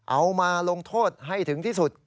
เอามาลงโทษให้ถึงที่สุด